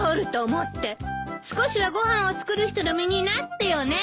少しはご飯を作る人の身になってよね。